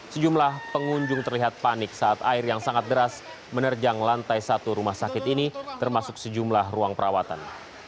sejumlah pengunjung terlihat panik saat air yang sangat deras menerjang lantai satu rumah sakit ini termasuk sejumlah ruang perawatan